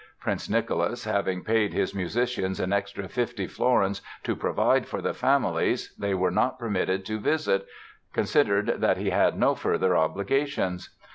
Prince Nicholas, having paid his musicians an extra fifty florins to provide for the families they were not permitted to visit, considered that he had no further obligations.